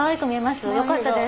よかったです。